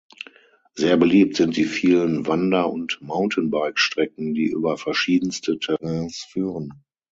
Sehr beliebt sind die vielen Wander- und Mountainbikestrecken, die über verschiedenste Terrains führen.